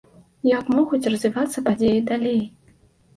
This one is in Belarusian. Як могуць развівацца падзеі далей?